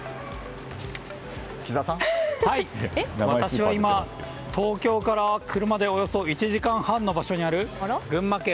私は今、東京から車でおよそ１時間半の場所にある群馬県